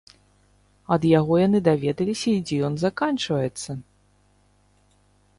Ад яго яны даведаліся і дзе ён заканчваецца.